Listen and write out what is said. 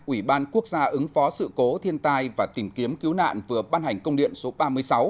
ủy ban quốc gia ứng phó sự cố thiên tai và tìm kiếm cứu nạn vừa ban hành công điện số ba mươi sáu